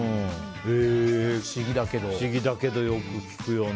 不思議だけど、よく聞くよね。